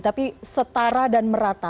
tapi setara dan merata